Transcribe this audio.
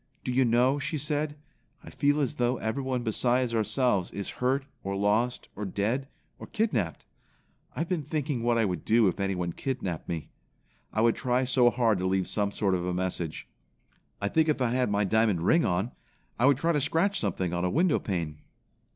"Do you know," she said, "I feel as though everyone besides ourselves is hurt or lost or dead or kidnapped? I have been thinking what I would do if anyone kidnapped me. I would try so hard to leave some sort of a message. I think if I had my diamond ring on, I would try to scratch something on a window pane."